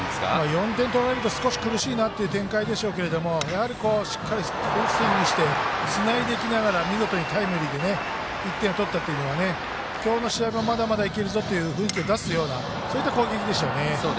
４点取られると少し苦しいなっていう展開でしょうけど、やはりしっかりフルスイングしてつないでいきながら見事にタイムリーで１点を取ったというのは今日の試合はまだまだいけるぞっていうような雰囲気を出すような攻撃でしたね。